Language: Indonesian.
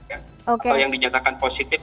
atau yang dinyatakan positif